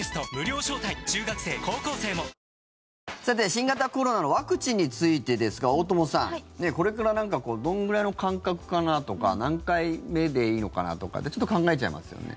新型コロナのワクチンについてですが、大友さんこれからどんぐらいの間隔かなとか何回目でいいのかなとかってちょっと考えちゃいますよね。